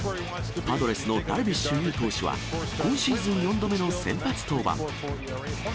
パドレスのダルビッシュ有投手は、今シーズン４度目の先発登板。